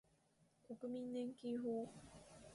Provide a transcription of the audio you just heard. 国民年金法